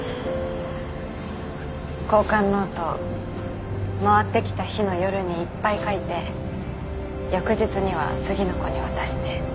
交換ノート回ってきた日の夜にいっぱい書いて翌日には次の子に渡して。